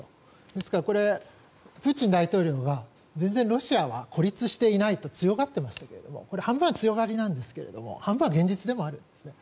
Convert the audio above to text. ですから、プーチン大統領は全然ロシアは孤立していないと強がっていましたが半分は強がりなんですが半分は現実でもあるんですね。